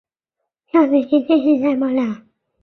私人地方的一边有喷水池。